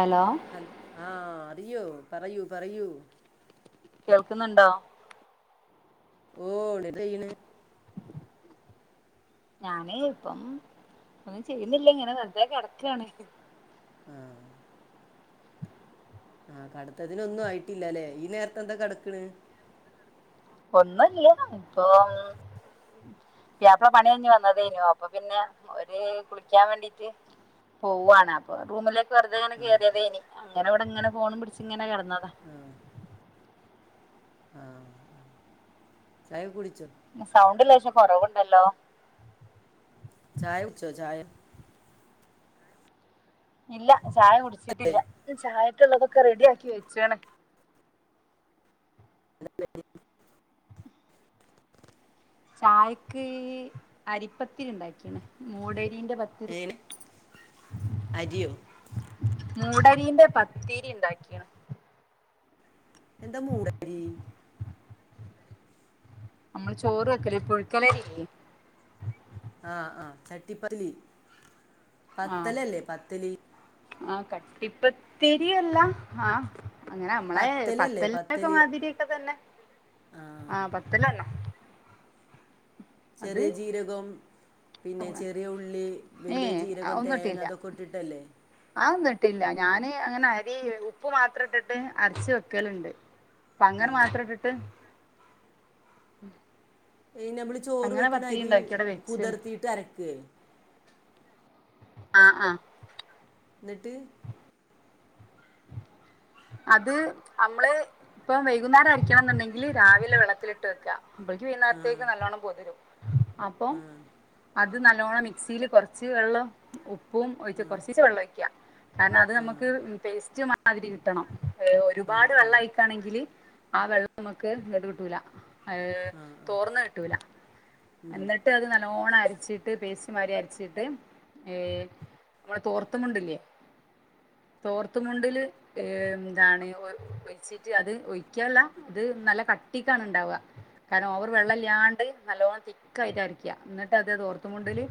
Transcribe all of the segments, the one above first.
Hello ഹൽ ആഹ് അറിയോ പറയൂ പറയൂ കേൾക്കുന്നുണ്ടോ ഓഹ് [unintelligible] യ്യ്ണ് ഞാന് ഇപ്പം ഒന്നും ചെയ്യണില്ല ഇങ്ങനെവെറുതെ കെടക്കാണ് ആഹ് ആഹ് കടത്തത്തിനൊന്നും ആയിട്ടില്ല ല്ലെ ഈ നേരത്തെന്താ കെടക്ക്‌ണ് ഒന്നുല്ല ഇപ്പം പുയ്യാപ്ല പണികഴിഞ്ഞു വന്നതേനു അപ്പൊ പിന്നെ ഓര് കുളിക്കാൻ വേണ്ടീട്ട് പോവ്വാണ് അപ്പൊ റൂമിലേക്ക് വെറുതെങ്ങനെ ആ കെറിയതേയ്നിം അങ്ങനെ ഇവിടെ ഇങ്ങനെ ഫോണും പിടിച്ച് ഇങ്ങനെ കെടന്നതാ ആഹ് ആഹ് ആഹ് ചായ കുടിച്ചോ സൗണ്ട് ലേശംകൊറവുണ്ടല്ലോ ചായകുച്ചോ ചായ ഇല്ല ചായ ഏ, കുടിച്ചിട്ടില്ല ഇന്ന് ചായക്കുള്ളതൊക്കെ റെഡി ആക്കി വെച്ചാണക്ക് [unintelligible] ചായക്ക് അരിപ്പത്തിരീ ഉണ്ടാക്കിയാണ് മൂടരീന്റെ പത്തി ഏനെ അരിയോ മൂടരിന്റെ പത്തിരി ഇണ്ടാക്കിയാണ് എന്താ മൂടരി നമ്മള് ചോറ് വെക്കലേ പുഴുക്കലരില്ലേ ആഹ് ആഹ് ചട്ടിപ്പതിലി പത്തല് അല്ലേ പത്തല് ആഹ് കട്ടിപ്പത്തിരിയല്ല ആഹ് അങ്ങനെ നമ്മളെ പത്തലല്ലേ പത്തൽ ന്റെ ഒക്കെ പത്തല് മാതിരിയൊക്കെ തന്നെ ആ പത്തലന്നെ അത് ചെറിയ ജീരകം പിന്നെ ചെറിയ ഉള്ളി വലിയ ഏഹ് ജീരകം തേങ്ങ അതൊക്കെ ഇട്ടിട്ടല്ലേ ആഒന്നിട്ടില്ല ഞാന് അങ്ങനെ അരി ഉപ്പ് മാത്രം ഇട്ടിട്ട് അരച്ച് വെക്കലണ്ട് അപ്പ അങ്ങനെ ഉം. മാത്രം ഇട്ടിട്ട് ഉം എനെ നമ്മള് ചോറ് വെക്കണ അരി അവിടെ വെച്ച്ണ് കുതർത്തീട്ട് അരക്കേ ആഹ് ആഹ് എന്നിട്ട് അത് നമ്മള് ഇപ്പ വൈകുന്നേരം അരക്കണെന്നുണ്ടെങ്കില് രാവിലെ വെള്ളത്തിലിട്ട് വെക്ക അപ്പോഴേക്കും ആ വൈനാരത്തേക്ക് നല്ലോണ്ണം പൊതിരും അപ്പൊ ആ അത് നല്ലോണം മിക്സില് കൊറച്ച് വെള്ളം ഉപ്പും ഒഴിച്ച് കുറച്ചീശ്ശേ വെള്ളം ഒഴിക്ക കാരണം അത് ആ നമുക്ക് ഉം പേസ്റ്റ് മാതിരി കിട്ടണം ഏഹ് ആ ആ ഒരുപാട് വെള്ളം ആ ഒഴിക്കാണെങ്കില് ആ വെള്ളം നമുക്ക് നെടുകിട്ടൂല ഏഹ് ആ തോർന്ന് കിട്ടൂലാ എന്നിട്ട് അത് നല്ലോണ്ണം അരിച്ച് ട്ട് പേസ്റ്റ് മാരി അരച്ചിട്ട് ഏഹ് നമ്മളെ തോർത്തുമുണ്ടില്ലേ തോർത്തുമുണ്ടില് ഏഹ് എന്താണ് വെ വെച്ചിറ്റ് അത് ഒഴിക്കല്ല അത് നല്ല കട്ടിക്കാണ് ഇണ്ടാവ കാരണം ഓവർ വെള്ളം ഇല്ലാണ്ട് നല്ലോണം തിക്കായിട്ടരക്കാ എന്നിട്ട് അത് തോർത്തുമുണ്ടില്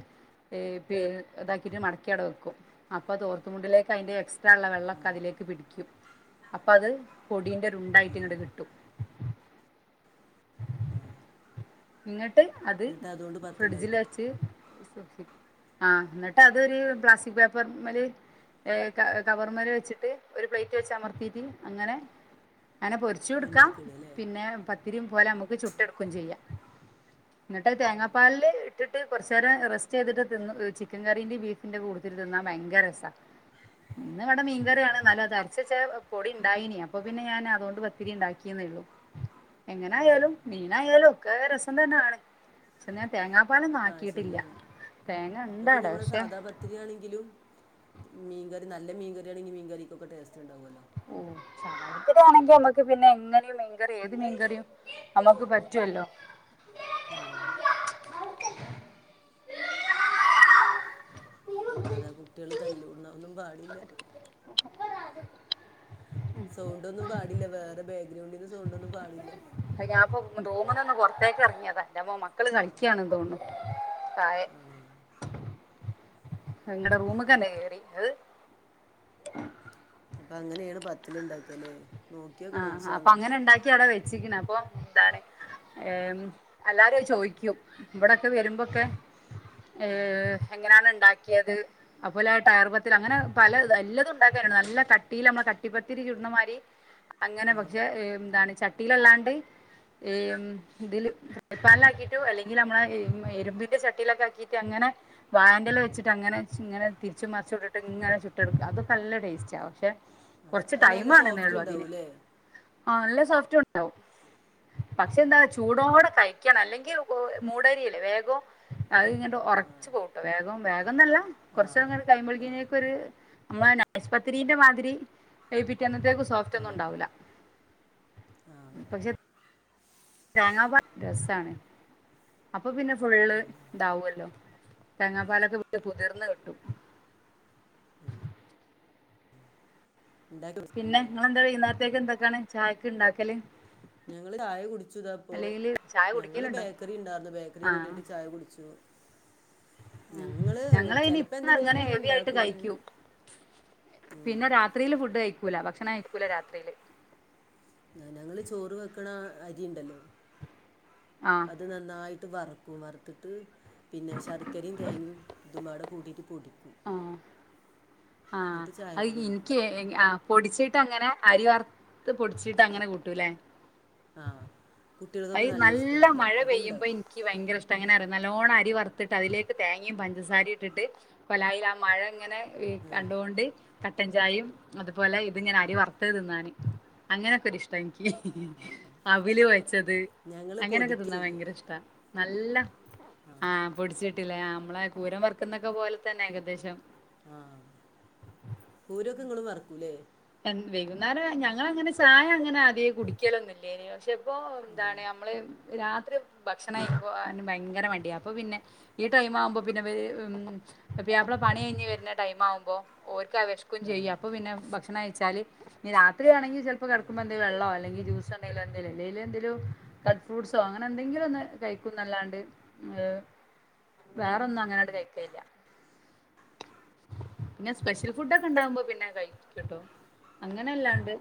ഇ പി ഇതാക്കിയിട്ട് മടക്കിയവിടെ വെക്കും അപ്പൊ തോർത്തുമുണ്ടിലേക്ക് അതിന്റെ എക്സ് റ്റ്റാ ഇള്ള വെള്ളൊക്കെ അതിലേക്ക് പിടിക്കും അപ്പ അത് പൊടീന്റെ ഒരുണ്ടായിട്ട് ഇങ്ങോട്ട് കിട്ടും എന്നിട്ട് അത് എന്നിട്ട് അതുകൊണ്ട് ഫ്രിഡ്ജിൽ പത്തുണ്ടാക്കുക വച്ച് സൂക്ഷിക്കും ആഹ് എന്നിട്ട് അതൊരു പ്ലാസ്റ്റിക് പേപ്പർ മേല് ഏഹ് കവർ മേല് വെച്ചിട്ട് ഒരു പ്ലേറ്റ് വെച്ച് അമർത്തീട്ട് അങ്ങനെ അങ്ങനെ പൊര് ച്ചുടക്കാം എണ്ണയൊക്കെ ഇടല്ലേ പിന്നെ പത്തിരിയും പോലെ നമുക്ക് ചുട്ടെടുക്കും ചെയ്യാം എന്നിട്ട് തേങ്ങാപ്പാലില് ഇട്ടിട്ട് കുറച്ച നേരം റെസ്റ്റ് ചെയ്തിട്ട് തിന്നോ ചിക്കൻ കറിന്റെ ബീഫ് ന്റെ കൂടത്തില് തിന്നാ ഭയങ്കര രസാ ഇന്നിവിടെ മീൻകറിയാണ് ന്നാലും അത് അരച്ച് വെച്ച പൊടി ഇണ്ടായിനീ അപ്പൊ പിന്നെ ഞാൻ അതുകൊണ്ട് പത്തിരി ഇണ്ടാക്കിയെന്നേള്ളൂ ആ എങ്ങനായാലും ആ മീനായാലും ഒക്കെ രസം തന്നാണ് പക്ഷെ ഞാൻ തേങ്ങാ പാലൊന്നും ആ ആക്കിയിട്ടില്ല ശരിയാണ് തേങ്ങ ഇണ്ടവിടെ പക്ഷെ പത്തിരിയാണെങ്കിലും മീൻകറി നല്ല മീൻകറി ആണെങ്കിൽ മീൻകറിക്കൊക്കെ ടേസ്റ്റ് ഇണ്ടാവുല്ലോ ഓ ചാറ് വേണെങ്കി നമക്ക് പിന്നെ എങ്ങനെയും മീൻകറി ഏത് മീൻകറിയും നമക്ക് പറ്റുവല്ലോ ആഹ് അതെ കുട്ടികള് തല്ല് കൂടണ ഒന്നും പാടില്ല സൗണ്ടൊന്നും പാടില്ല വേറെ ബാക്ക്ഗ്രൗണ്ടിന്ന് സൗണ്ട് ഒന്നും പാടില്ല ഞാൻ ഇപ്പൊ റൂമ് നിന്ന് പൊറത്തേക്ക് ഇറങ്ങിയതാ ന്റമ്മോ മക്കള് കളിക്കാണെന്ന് തോന്നുന്നു കായ് അങ്ങടെ റൂമക്കന്നെ കേറിത് അപ്പൊ അങ്ങനെയാണ് പത്തല് ഇണ്ടാക്ക ല്ലേ? ആഹ് അപ്പ അങ്ങനെ ഇണ്ടാക്കി അവിടെ വെ ച്ചിക്കണ അപ്പൊ എന്താണ് എല്ലാരും അത് ചോദിക്കും ഇവിടൊക്കെ വരുമ്പോക്കെ ആ ഏഹ് എങ്ങനെയാണ് ഇണ്ടാക്കിയത് അത്പോലെ ആ ടയർ പത്തല് അങ്ങനെ പല എല്ലതും ഉണ്ടാക്കാണ് നല്ല കട്ടിയിൽ നമ്മ കട്ടിപ്പത്തിരി ചുടണമാതിരി അങ്ങനെ ആ പക്ഷെ എന്താണ് ചട്ടിയിലല്ലാണ്ട് ഏഹ് ഉം ഇതില് പാലാക്കിട്ടോ അല്ലെങ്കിൽ നമ്മളെ ഇരുമ്പിന്റെ ചട്ടിയിലൊക്കെ ആക്കിട്ട് അങ്ങനെ വാഴന്റെല വെച്ചിട്ട് അങ്ങനെ ഇങ്ങനെ തിരിച്ചും മറിച്ചും ഇട്ടിട്ട് ഇങ്ങനെ ചുട്ടെടുക്കും അതൊക്കെ നല്ല ടേസ്റ്റാ പക്ഷെ ആ കൊറച്ച് അത് ടൈം നല്ല സോഫ്റ്റ് വേണന്നൊള്ളൂ അതിന് ഉണ്ടാവൂല്ലേ ആ നല്ല സോഫ്റ്റ് ഉണ്ടാവും ആ പക്ഷെ എന്താ ചൂടോടെ കഴിക്കണം അല്ലെങ്കി മൂടരിയല്ലേ വേഗം അത് ഇങ്ങട്ട് ആ ഒറച്ചു പോവൂട്ടാ വേഗം വേഗം എന്നല്ല ആ കൊറച്ച് നേരങ്ങട് ആ കഴിയുമ്പഴേനിക്കൊരു നമ്മളെ നൈസ് പത്തരീന്റെ മാതിരി പിറ്റേന്നത്തേക്ക് സോഫ്റ്റ് ആ ഒന്നും ഉണ്ടാവൂലാ ആ ആ. പക്ഷെ തേങ്ങാപാല് രസാണ് അപ്പൊ പിന്നെ ഫുള്ള് ഇതാവോല്ലോ തേങ്ങാപ്പാലൊക്കെ വി കുതിർന്ന് കിട്ടും ഉണ്ടാക്കി കൊടുക്ക് പിന്നെ എന്നാലും നിങ്ങെളെന്താ വൈന്നാരത്തേക്ക് എന്തൊക്കാണ് ചായക്ക് ഉണ്ടാക്കല് ഞങ്ങള് ചായ കുടിച്ചു താപ്പൊ അല്ലെങ്കിൽ ചായ ഞങ്ങള് കുടിക്കലുണ്ടോ ബേക്കറി ഉണ്ടായിരുന്നു ബേക്കറി ആ കൂട്ടീട്ട് ചായ കുടിച്ചു ഉം ഞങ്ങള് ചെലപ്പോ എന്തെങ്കിലുമൊക്കെ ഇപ്പങ്ങനെ ഇങ്ങനെ ഹെവി ആയിട്ട് ഉണ്ടാക്കും കഴിക്കും ഉം. പിന്നെ രാ ത്രിയില് ഫുഡ് കഴിക്കൂല ഭക്ഷണം കഴിക്കൂല്ല രാത്രില് ഞ ഞങ്ങള് ചോറ് വെക്കണ ആ അരി ഉണ്ടല്ലോ ആഹ് അത് നന്നായിട്ട് ട്ട് വറുക്കും വറുത്തിട്ട് പിന്നെ ശർക്കരയും തേങ്ങയും ഇതും പാടെ കൂട്ടിയിട്ട് പൊടിക്കും ആഹ് എന്നിട്ട് ചായക്ക് അത് കുടിക്കും ഇൻക്ക് ആഹ് പൊടിച്ചിട്ടങ്ങനെ അരി വറുത്ത് പൊടിച്ചിട്ട് അങ്ങനെ കൂട്ടൂല്ലെ ആഹ് കുട്ടികൾക്കൊക്കെ നല്ല ഇഷ്ടാണ് അത് മഴ പെയ്യുമ്പോ അതുണ്ടാക്കും എനിക്ക് ഭയങ്ക ഇഷ്ട എങ്ങനെ അറിയൊ നല്ലോണം അരി വറുത്തിട്ട് അതിലേക്ക് തേങ്ങയും പഞ്ചസാരയും ഇട്ടിട്ട് കൊലായിൽ ആ മഴ ഇങ്ങനെ ആ കണ്ടുകൊണ്ട് കട്ടൻചായയും അതുപോലെ ഇതിങ്ങനെ അരി വർ ത്തത് തിന്നാന് അങ്ങനെയൊക്കെ ഒരിഷ്ട എനിക്ക് അവല് കൊ ച്ചത് ഞങ്ങള് അങ്ങനെയൊക്കെ പൊടിക്ക തിന്നാ ചെയ്യും ഭയങ്കര ഇഷ്ട നല്ല ആ ആഹ് പൊടിച്ചിട്ടില്ലേ നമ്മളെ കൂരം വറക്കുന്നൊക്കെ പോലെ തന്നെ ഏകദേശം ആഹ് പൂരൊക്കെ ഇങ്ങളും വറക്കൂല്ലേ എന് വൈകുന്നേരം ഞങ്ങളങ്ങനെ ചായ അങ്ങനെ ആദ്യേ കുടിക്കലൊന്നില്ലേനിം പക്ഷെ ഇപ്പൊ എന്താണ് നമ്മള് രാത്രി ഭക്ഷണായി പോകൻ ഭയങ്കര മടിയ അപ്പൊ പിന്നെ ഈ ടൈം ആവുമ്പോ പിന്നെപ്പത് ഉം പുയ്യാപ്ല പണി കഴിഞ്ഞ് വരുന്ന ടൈം ആവുമ്പോൾ ഓര്ക്കാ വെശ ക്കും ആ ചെയ്യും അപ്പ പിന്നെ ഭക്ഷണം കഴച്ചാല് ഇനി രാത്രിയാണെങ്കിൽ ചെലപ്പം കെടക്കുമ്പോ എന്തേലും വെള്ളോ അല്ലെ ജ്യൂസോ എന്ത എന്തേല ഇല്ലേൽ എന്തേലും കട്ട് ഫ്രൂട്ട്സോ അങ്ങനെ എന്തെങ്കിലും ഒന്ന് കഴിക്കും ന്നല്ലാണ്ട് ഏഹ് വേറൊന്നും അങ്ങനട്ട് കഴിക്കലില്ല പിന്നെ സ്പെഷ്യൽ ഫുഡൊക്കെ ഇണ്ടാവുമ്പോ പിന്നെ കഴിക്കുട്ടോ അങ്ങനെല്ലാണ്ട്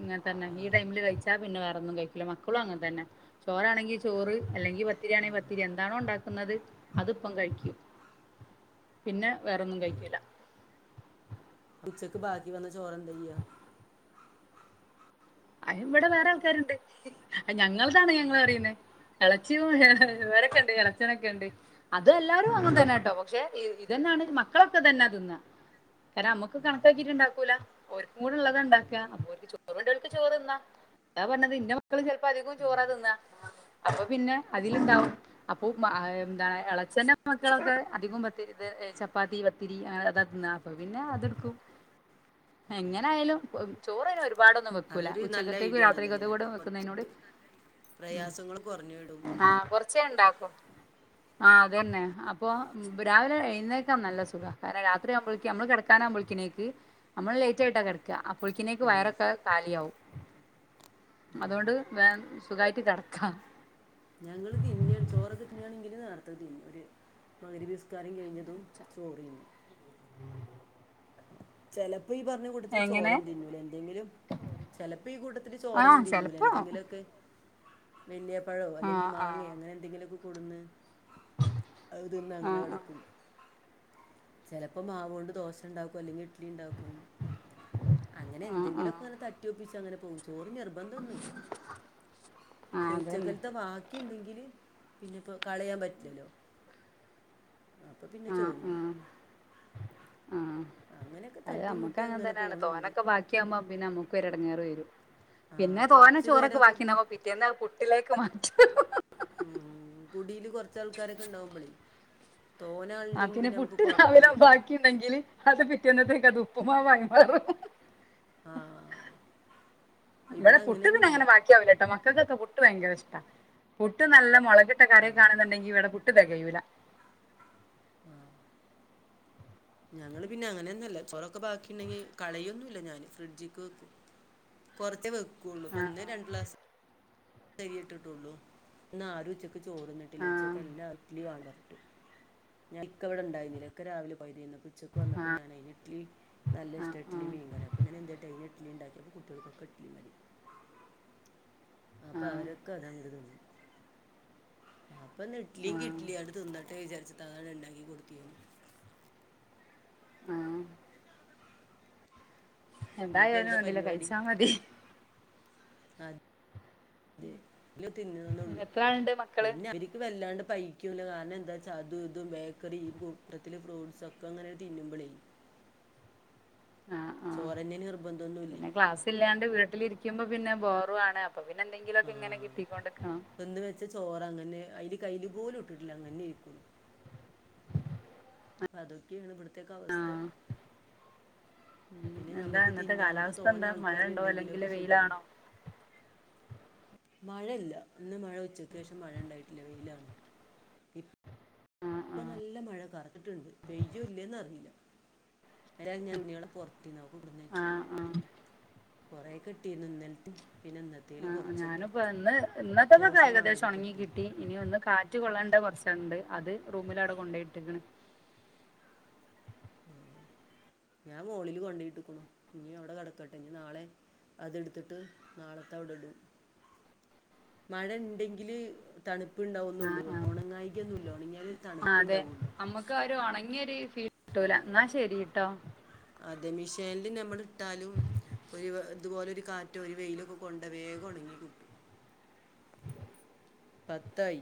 ഇങ്ങന തന്നെ ആ ഈ ടൈമില് കഴിച്ചാ പിന്നെ വേറൊന്നും കഴിക്ക ലില്ല മക്കളും അങ്ങനെ തന്നെ ചോറാണെങ്കിൽ ചോറ് അല്ലെങ്കിൽ പത്തിരിയാണെങ്കിൽ പത്തിരി എന്താണോ ഉണ്ടാക്ക ന്നത് അതിപ്പം കഴിക്കും പിന്നെ വേറൊന്നും കഴിക്കൂല ഉച്ചക്ക് ബാക്കി വന്ന ചോറ് എന്ത ചെയ്യാ അത് ഇവിടെ വേറെ ആൾക്കാരുണ്ട് ഞങ്ങളതാണ് ഞങ്ങള് പറിയുന്നത് എളച്ചിയും ആ ഇവരൊക്കെണ്ട് എളച്ചനൊക്കെണ്ട് അത് എല്ലാരും അങ്ങൻ തന്നാട്ടോ പക്ഷെ ഇതന്നാണ് മക്കളൊക്കെ തന്നെ തിന്ന കാരണം നമ്മക്ക് കണക്കാക്കിട്ട് ണ്ടാക്കൂല ഓൽക്കും കൂടെ ഉള്ളതാ ഉണ്ടാക്ക അപ്പൊൽക്ക് ചോ ചോറ്ന്നാ അതാ പറഞ്ഞത് ഇന്റെ മക്കള് ചെലപ്പോ അധികം ചോറാ തിന്നാ അപ്പം പിന്നെ ആ അതിലുണ്ടാവും അപ്പൊ എന്താണ് എളച്ചന്റെ മക്കളൊക്കെ അധികം പത്തിരി ഇത് ചപ്പാത്തി പത്തിരി അതാ തിന്ന അപ്പ പിന്നെ അതടുക്കും എങ്ങനെയാലും ചോറായാലും ഒരുപാടൊന്നും വെ ക്കൂല അതൊരു നല്ല ഉച്ചക്കത്തേക്കും ഐഡിയ ആണല്ലോ അല്ലേ രാത്രിക്കത്തേക്കും കൂടെ വെക്കുന്നതിനോട് ഉം പ്രയാസങ്ങൾ കുറഞ്ഞു വിടും ആ കൊറ ച്ചെണ്ടാക്കും ആ അതന്നെ അപ്പൊ രാവിലെ എഴുന്നേക്കാം നല്ല സുഖ കാരണം രാത്രിയാകുമ്പോഴേക്ക് നമ്മള് കിടക്കൻ ആക്പോഴേക്കേക്ക് നമ്മള് ലേറ്റ്റ്റയിട്ടാ കിടക്കുകഅപ്പോനേക്ക് ഉം വയറൊക്കെ കാലി ആവും അതുകൊണ്ട് വേംസുഖമായിട്ട് കിടക്കാം ഞങ്ങള്തിന്നെയാണ് ചോറൊക്കെ തിന്നെയണെങ്കിലും നേരത്തെ തിന്നും ഒരു മഗ് രിബ് നിസ്കാരം കഴിഞ്ഞതും ചോറ് തിന്നും ചെലപ്പോ ഈ പറഞ്ഞ കൂട്ടത്തില്ചോറ് എങ്ങനെ ഒന്നും തിന്നൂല എന്തെങ്കിലും ചിലപ്പോ ഈ കൂട്ടത്തില് ചോറൊന്നും ആഹ് തിന്നുല ചെലപ്പോ എന്തെങ്കിലുമൊക്കെ വല്യ പഴോ ആഹ് അല്ലെങ്കിൽ മാങ്ങയോ ആഹ് അങ്ങനെ എന്തെങ്കിലൊക്കെ കൊട്ന്ന് അതിന്ന് അങ്ങനെ ആഹ് ആഹ് കെടക്കും ചെലപ്പോ മാവോണ്ട് ദോശ ഉണ്ടാക്കും അല്ലെങ്കിൽ ഇഡ്ലി ഉണ്ടാക്കും അങ്ങനെ ആഹ് എന്തെങ്കിലും ഒക്കെ ആഹ് അങ്ങനെ തട്ടിയോപ്പിച്ചു അങ്ങനെ പോകും ചോറ് നിർബന്ധം ഒന്നുമില്ല ആഹ് പക്ഷെ അതന്നെ ഉച്ചക്കാൽ അത് വാക്കിയുണ്ടെങ്കില് പിന്നിപ്പോ കളയാൻ പറ്റില്ലല്ലോ അപ്പൊ പിന്നെ ആഹ് ചോറ്തിന്നും ആഹ് ആഹ് അങ്ങനെയൊക്കെ തട്ടിമുട്ടി അങ്ങനെ പോണ ണ്ട് ഉച്ചയാകുമ്പോ പിന്നെ നമ്മുക്ക് ഒരു ഇടങ്ങേറ് വരും ആ പിന്നെ തോനെ കുറച്ച് ചോറൊക്കെ പേരൊക്കെ ബാക്കിണ്ടാകുബോ പിറ്റെന്നാ പുട്ടിലേക്ക് മാറ്റു ഉം കുടീല് കൊറച്ചാൾക്കാരൊക്കെ ഉണ്ടാവുമ്പോഴേ തോനെ ആളുണ്ടെല് പിന്നെ നമുക്ക് കൊഴപ്പല്ലല്ലോ ബാക്കിണ്ടെങ്കിൽ അത് പിറ്റേന്നത്തേക്ക് അത് ഉപ്പുമാവ് ആയി മാറും ആഹ ഇവിടെ പുട്ടന്നെങ്ങനൊ ബാക്കി ആവില്ല കേട്ടോ മക്കൾക്കൊക്കെ പുട്ട് ഭയങ്കര ഇഷ്ട പുട്ട്നല്ല മുളകിട്ട കറിയൊക്കെ ആ ആണെന്നുണ്ടെങ്കിൽ ഇവിടെ പു ട്ട്തികയൂല ആഹ് ഞങ്ങള് പിന്നെ അങ്ങനെയൊന്നുംഅല്ല ചോറൊക്കെ ബാക്കിണ്ടെങ്കിൽ കളയൊന്നുമില്ല ഞാൻ ഫ്രിഡ്ജിക്ക് വെക്കും കുറച്ചെ വെക്കുള്ളൂ അപ്പൊ ആഹ് ഇന്ന് രണ്ട് ഗ്ലാസ്സ് ഇത്തിരി അരിയെ ഇട്ടിട്ടൊള്ളു ഇന്ന് ആരും ഉച്ചക്ക് ചോറന്നിട്ടില്ല ആഹ് ഉച്ചക്ക് എല്ലാം [unintelligible] എന്നാൽ ഇക്ക ഇവിടെ ഉണ്ടായിരുന്നില്ല ഇക്ക രാവിലെ പകുതിതിന്ന് ഉച്ചക്ക് വന്നപ്പോ ആഹ് ഞാനെ ഇഡല്ലി നല്ല ഇഷ്ടവാ ഇഡലിയും ആഹ് മീൻകറിയും അപ്പൊ എന്ത്ഡേയ് ഇഡലി ഉണ്ടാക്കിയപ്പോൾ കുട്ടികൾക്ക് ഇഡലി മതി അപ്പൊ ആഹ് അവരൊക്കെ അതങ്ങട് തിന്നു അപ്പൊ ഇഡലിഎങ്കിൽ ആഹ് ഇഡലി തിന്നിട്ടെന്ന് വിചാരിച്ചട്ട് ഉണ്ടാക്കി കൊടുത്തിന്ന് ആഹ് ആഹ് ഇനിപ്പോ എന്തായാലും എന്താ വേണ്ടില്ല പരിപാടി കഴിച്ചാ മതി ആഹഅതെ വല്ലോം തിന്നാനൊന്നേയൊള്ളു എത്ര ആളുണ്ട് മക്കള് പിന്നെ അവര് വല്ലാണ്ട് പൈകൂലോ കാരണം എന്താന്നവെച്ചാ അതും ഇതും ബേക്കറി കൂട്ടത്തില്ൽ ഫ്രൂട്ട്സ് ഒക്കെ അങ്ങനെ തിന്നുമ്പോളേ ചോറ് തന്നെന്ന് നിർബന്തമൊന്നും ഇല്ലേ ഇതിലാണ്ട് വീട്ടിലിരിക്കുമ്പോ പിന്നെ ബോറു ആണ് അപ്പൊ പിന്നെന്തങ്കിലുമൊക്കെ ഇങ്ങനെ കിട്ടിക്കൊണ്ടിരിക്കണം നിറച്ച ചോറ് അങ്ങനെ തന്നെ കൈലിപോലും ഇട്ടിട്ടില്ല അങ്ങനെ ഇരിക്കുന്നു അതൊക്കെയാണ് ഇവിടുത്തെ ആ അവസ്ഥ ഉം പിന്നെ എന്താ ഞമ്മക്ക് ഇന്നത്തെ തിന്നാനൊക്കെ കാലാവസ്ഥ തോനെ എന്താ മഴ ആൾക്കാര് ഉണ്ടോ അല്ലെങ്കിൽ ഉണ്ടെങ്കിലോക്കെ സുഖമാണ് വെയിലാണോ മഴയില്ല ഇന്ന് മഴ ഉച്ചക്ക് ശേഷം മഴ ഉണ്ടായിട്ടില്ല വെയിലാണ് ആ ആ ഇപ്പൊ നല്ല മഴ കറത്തിട്ടുണ്ട് പെയ്യുവോ ഇല്ലന്ന് അറിയില്ല അതാ ഞാൻ തുണികള് പുറത്തീനെ അത് കൊണ്ടുവന്നു ആ വച്ചു ആ കുറേ ഇട്ടിന്ന് ഇന്നലത്തെ പിന്നെ ഇന്നത്തേല് ആ കൊറ ഞാനിപ്പോ ഇന്ന് ഇന്നത്തേക്ക് ഏകദേശം വേണ്ടതൊക്കെ ഉണങ്ങി കിട്ടിയിരുന്നു കിട്ടി ഇനി ഒന്ന് കാറ്റ് കാറ്റ് കൊള്ളേണ്ട കുറച്ചണ്ട് അത് റൂമിൽ അവിടെ കൊണ്ട് ഇട്ടേക്കണ് ഞാൻ ഹോളില് കൊണ്ടിട്ടിരിക്കുന്നു ഇനി അവിടെ കിടക്കട്ടെ ഇനി നാളെ അതെടുത്തിട്ട് നാളത്തെ അവിടെ ഇട്ടുംമഴ ഉണ്ടെങ്കില് തണുപ്പ് ഉണ്ടാവുന്നുള്ളൂ ഉണങ്ങായികയൊന്നുല്ല ഉണങ്ങിയല് ആഹ് അതെ നമ്മുക്ക് ഒരു ഉണങ്ങിയൊ ഒരു ഫീൽ കിട്ടൂല എന്നാ ശെരിയട്ടോ അതെ മെഷീനില് നമ്മൾ ഇട്ടാലും ഒരു ഇതുപോലെ ഒരു കാറ്റോ ഒരു വെയിലൊക്കെ കൊണ്ട വേഗം ഉണങ്ങി കിട്ടും പത്തായി